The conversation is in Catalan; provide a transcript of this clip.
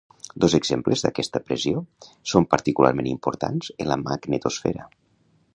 Dos exemples d'aquesta pressió són particularment importants en la magnetosfera.